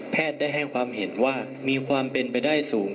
ได้ให้ความเห็นว่ามีความเป็นไปได้สูง